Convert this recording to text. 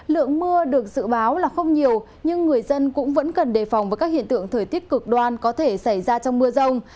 lượng mưa được dự báo là không nhiều nhưng người dân cũng vẫn cần đề phòng với các hiện tượng thời tiết cực đoan có thể xảy ra trong mưa rông